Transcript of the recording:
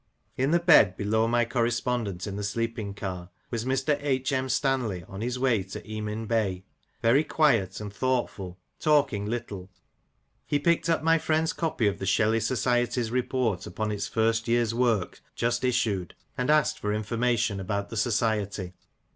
In the bed below my correspondent in the sleeping car was Mr. H. M. Stanley, on his way to Emin Bey, very quiet and thoughtful, talking little. He picked up my friend's copy of the Shelley Society's Report upon its first year's work, just issued, and asked for information about the Society.